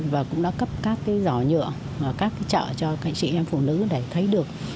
và cũng đã cấp các giò nhựa và các chợ cho chị em phụ nữ để thấy được